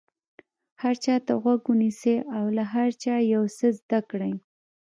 هر چا ته غوږ ونیسئ او له هر چا یو څه زده کړئ.